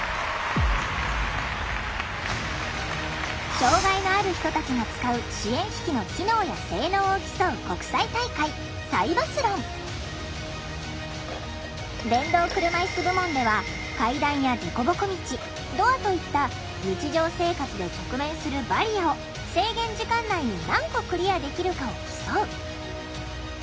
障害のある人たちが使う支援機器の機能や性能を競う国際大会電動車いす部門では階段やでこぼこ道ドアといった日常生活で直面するバリアを制限時間内に何個クリアできるかを競う。